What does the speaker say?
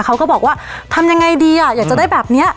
เขาก็บอกว่าทำยังไงดีอ่ะอยากจะได้แบบนี้